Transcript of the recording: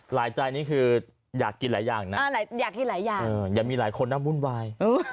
หลายใจนี่คืออยากกินหลายอย่างน่ะอย่างมีหลายคนน่ะมุ่นวาย